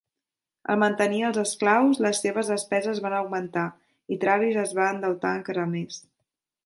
Al mantenir els esclaus, les seves despeses van augmentar i Travis es va endeutar encara més.